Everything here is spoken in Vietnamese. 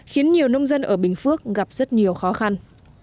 khiến nhiều nông dân ở bình phước gặp rất nhiều khó khăn